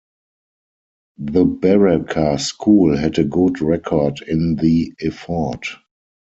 The Baraka School had a good record in the effort.